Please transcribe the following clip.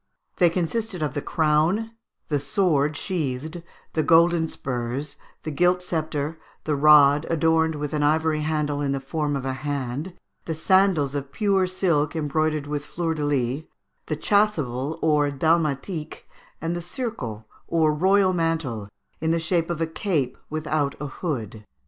They consisted of the crown, the sword sheathed, the golden spurs, the gilt sceptre, the rod adorned with an ivory handle in the form of a hand, the sandals of blue silk, embroidered with fleur de lis, the chasuble or dalmatique, and the surcot, or royal mantle, in the shape of a cape without a hood.